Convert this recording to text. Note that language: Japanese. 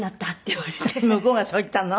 向こうがそう言ったの？